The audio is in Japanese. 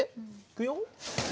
いくよ。